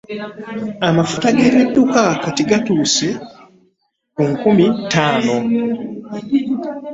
Amafuta g'ebidduka kati liita etuuse ku nkumi ttaano.